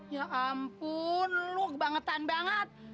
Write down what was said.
ya ampun lu kebangetan banget